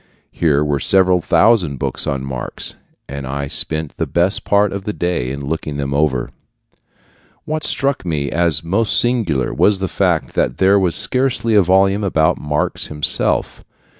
Here were several thousand books on Marx, and I spent the best part of the day in looking them over. What struck me as most singular was the fact that there was scarcely a volume about Marx himself.